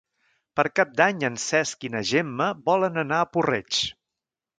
Per Cap d'Any en Cesc i na Gemma volen anar a Puig-reig.